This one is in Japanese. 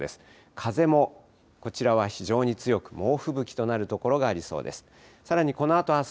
風もこちらは非常に強く、猛吹雪となる所がありそうです。